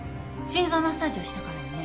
心臓マッサージをしたからよね。